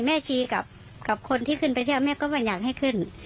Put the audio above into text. ชีกับคนที่ขึ้นไปเที่ยวแม่ก็ไม่อยากให้ขึ้น